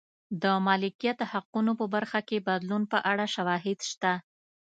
د مالکیت حقونو په برخه کې بدلون په اړه شواهد شته.